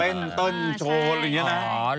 เป็นต้นโชว์